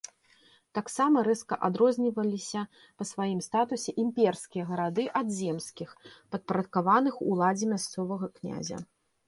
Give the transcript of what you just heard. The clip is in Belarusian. Таксама рэзка адрозніваліся па сваім статусе імперскія гарады ад земскіх, падпарадкаваных уладзе мясцовага князя.